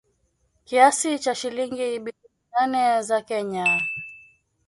Kiasi cha shilingi bilioni nane za Kenya